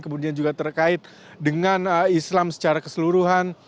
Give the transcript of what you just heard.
kemudian juga terkait dengan islam secara keseluruhan